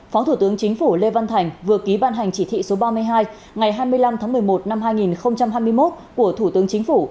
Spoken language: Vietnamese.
phó thủ tướng chính phủ lê văn thành vừa ký ban hành chỉ thị số ba mươi hai ngày hai mươi năm tháng một mươi một năm hai nghìn hai mươi một của thủ tướng chính phủ